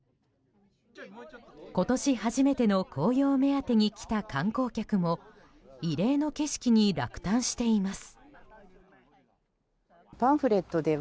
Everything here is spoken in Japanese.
今年初めての紅葉目当てに来た観光客も異例の景色に落胆しています。